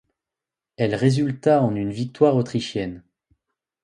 Elle résulta en une victoire autrichienne.